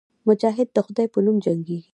مجاهد د خدای په نوم جنګېږي.